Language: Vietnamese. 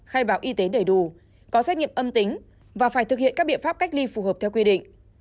khai báo y tế đầy đủ có xét nghiệm âm tính và phải thực hiện các biện pháp cách ly phù hợp theo quy định